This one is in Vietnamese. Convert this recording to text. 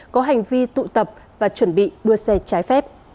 có hành vi tụ tập và chuẩn bị đua xe trái phép